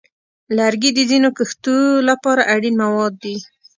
لرګي د ځینو کښتو لپاره اړین مواد دي.